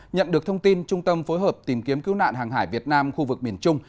nhận được thông tin trung tâm phối hợp tìm kiếm cứu nạn hàng hải việt nam khu vực miền trung